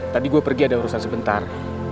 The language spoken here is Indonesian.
tadi gue pergi ada urusan sebentar